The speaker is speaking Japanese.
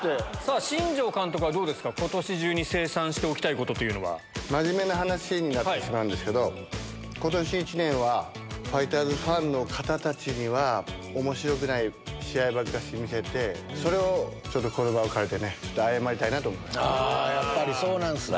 新庄監督はどうですか、ことし中に清算しておきたいこと真面目な話になってしまうんですけど、ことし１年はファイターズファンの方たちにはおもしろくない試合ばっかし見せて、それをちょっと、この場を借りてね、謝りたいなとやっぱりそうなんですね。